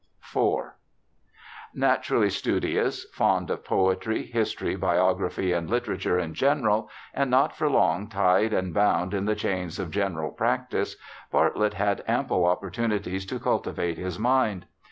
IV Naturally studious, fond of poetry, history, biography, and literature in general, and not for long tied and bound in the chains of general practice, Bartlett had ample opportunities to cultivate his mind.